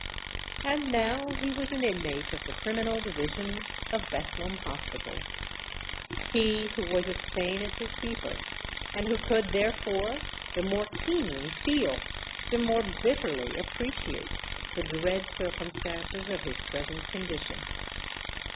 And now he was an inmate of the criminal division of Bethlem Hospital,—he who was as sane as his keeper, and who could, therefore, the more keenly feel, the more bitterly appreciate the dread circumstances of his present condition!